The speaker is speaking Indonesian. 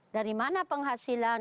dari mana penghasilan